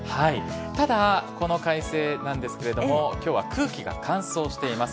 ただ、この快晴なんですが今日は空気が乾燥しています。